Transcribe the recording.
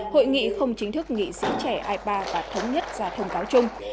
hội nghị không chính thức nghị sĩ trẻ ipa và thống nhất ra thông cáo chung